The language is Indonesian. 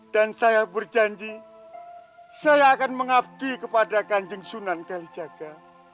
dan saya berjanji saya akan mengabdi kepada ganjeng sunan kalijaga